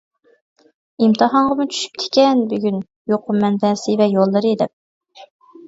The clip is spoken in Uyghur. ئىمتىھانغىمۇ چۈشۈپتىكەن بۈگۈن يۇقۇم مەنبەسى ۋە يوللىرى دەپ.